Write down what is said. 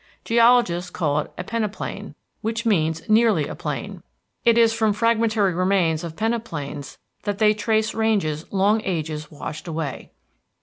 Geologists call it a peneplain, which means nearly a plain; it is from fragmentary remains of peneplains that they trace ranges long ages washed away.